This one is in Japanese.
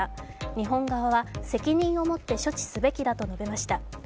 日本側は責任を持って処置すべきだと述べました。